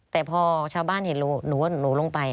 แต่พอชาวบ้านเห็นหนูว่าหนูลงไป